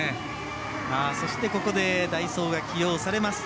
ここで代走が起用されます。